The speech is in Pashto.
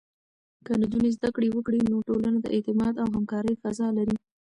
که نجونې زده کړه وکړي، نو ټولنه د اعتماد او همکارۍ فضا لري.